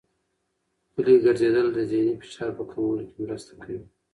پلي ګرځېدل د ذهني فشار په کمولو کې مرسته کوي.